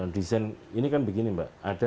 desain ini kan begini mbak ada